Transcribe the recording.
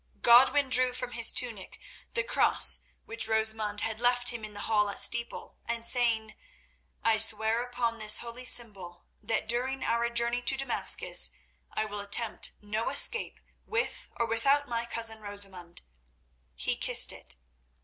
Godwin drew from his tunic the cross which Rosamund had left him in the hall at Steeple, and saying: "I swear upon this holy symbol that during our journey to Damascus I will attempt no escape with or without my cousin Rosamund," he kissed it.